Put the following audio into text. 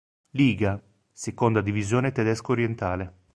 Liga, seconda divisione tedesco orientale.